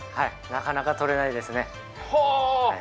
なかなかとれないですね。